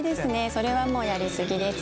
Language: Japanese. それはもうやり過ぎです。